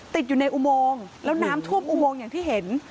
ติดอยู่ในอุโมงแล้วน้ำท่วมอุโมงอย่างที่เห็น